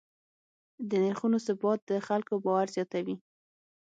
د نرخونو ثبات د خلکو باور زیاتوي.